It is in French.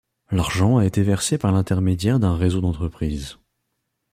L'argent a été versé par l’intermédiaire d’un réseau d'entreprises.